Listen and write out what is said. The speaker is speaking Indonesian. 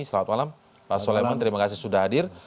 selamat malam pak soleman terima kasih sudah hadir